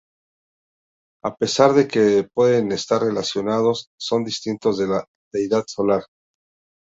A pesar de que pueden estar relacionados, son distintos de la deidad solar.